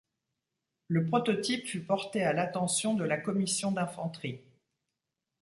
Le prototype fut porté à l'attention de la Commission d'infanterie.